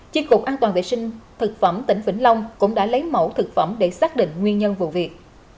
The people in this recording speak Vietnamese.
chi cục an toàn vệ sinh thực phẩm tỉnh vĩnh long cũng đã lấy mẫu thực phẩm để xác định nguyên nhân vụ việc